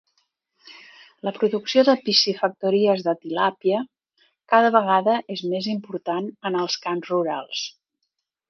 La producció de piscifactories de tilàpia cada vegada és més important en els camps rurals.